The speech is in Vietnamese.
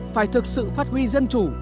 phải thực sự phát huy dân chủ